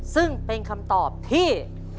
ซึ่งเป็นคำตอบที่